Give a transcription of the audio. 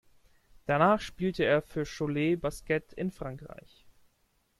Danach spielte er für Cholet Basket in Frankreich.